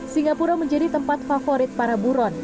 singapura menjadi tempat favorit para buron